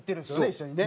一緒にね。